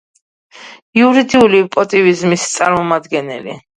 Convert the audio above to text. იურიდიული პოზიტივიზმის წარმომადგენელი.